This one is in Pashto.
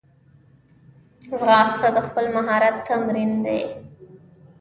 ځغاسته د خپل مهارت تمرین دی